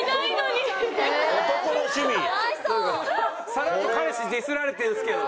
さらっと彼氏ディスられてるんですけど。